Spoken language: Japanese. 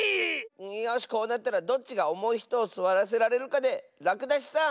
よしこうなったらどっちがおもいひとをすわらせられるかでらくだしさん